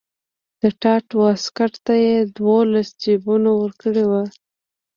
د ټاټ واسکټ ته یې دولس جیبونه ورکړي وو.